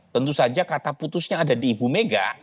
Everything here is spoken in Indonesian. tentu saja kata putusnya ada di ibu mega